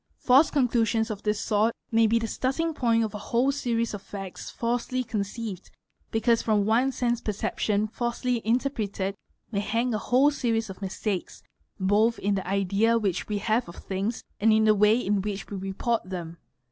False conclusions of this sort may be the starting point of a whole series o facts falsely conceived, because from one sense perception falsely inter=" preted may hang a whole series of mistakes, both in the idea whi we have of things and in the way in which we report them.